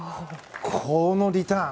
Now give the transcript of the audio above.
このリターン！